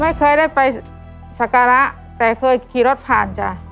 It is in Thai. ไม่เคยได้ไปสักการะแต่เคยขี่รถผ่านจ้ะ